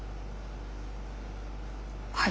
はい。